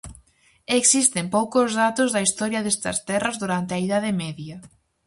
Existen poucos datos da historia destas terras durante a Idade Media.